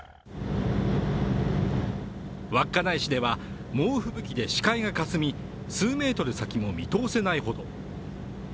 稚内市では猛吹雪で視界がかすみ、数メートル先も見通せないほど。